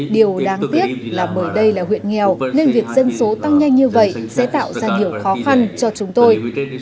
điều đáng tiếc là bởi đây là huyện nghèo nên việc dân số tăng nhanh như vậy sẽ tạo ra nhiều khó khăn cho chúng tôi